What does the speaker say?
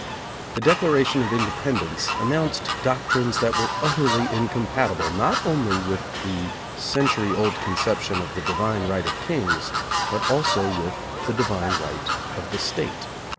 The Declaration of Inde pendence announced doctrines that were utterly incompatible not only with the century old con ception of the Divine Right of Kings, but also with the Divine Right of the State.